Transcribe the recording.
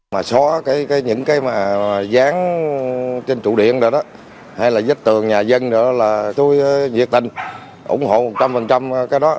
mà so với những cái mà gián trên trụ điện đó hay là dích tường nhà dân đó là tôi nhiệt tình ủng hộ một trăm linh cái đó